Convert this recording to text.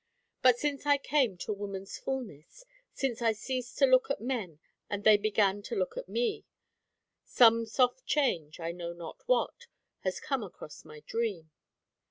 But since I came to woman's fulness, since I ceased to look at men and they began to look at me, some soft change, I know not what, has come across my dream.